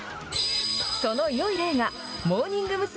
そのよい例がモーニング娘。